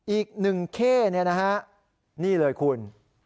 อีก๑เค่นี่นะฮะนี่เลยคุณ